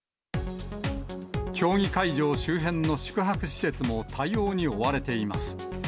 競技会場周辺の宿泊施設も対応に追われています。